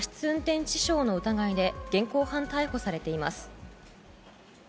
運転致傷の疑いで現行犯逮捕されています。